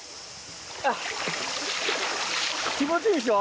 気持ちいいでしょ？